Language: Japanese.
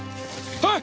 はい！？